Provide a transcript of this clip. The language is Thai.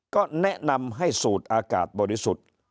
ก็แนะนำให้สูดอากาศบริสุทธิ์